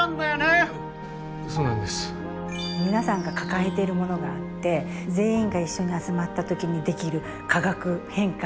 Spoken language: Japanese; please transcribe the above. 皆さんが抱えているものがあって全員が一緒に集まった時にできる化学変化